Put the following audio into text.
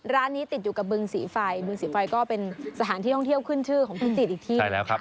ร้านนี้ติดอยู่กับเบิงสีไฟเบิงสีไฟก็เป็นสถานที่ท่องเที่ยวขึ้นชื่อของพิจิตย์อีกที่